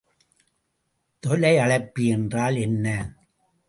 தொலையழைப்பி என்றால் என்ன?